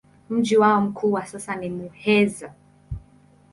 Mji wao mkuu kwa sasa ni Muheza.